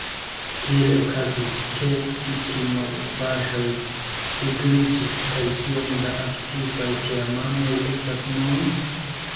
Kiel okazis, ke Vikinovaĵoj vigliĝis, kaj kiom da aktivaj teamanoj estas nun?